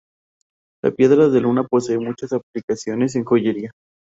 La piedra de luna posee muchas aplicaciones en joyería.